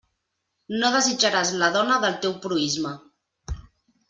No desitjaràs la dona del teu proïsme.